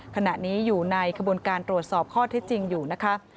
ขณะนี้อยู่ในขบวนการตรวจสอบข้อเท็จจริงอยู่นะคะ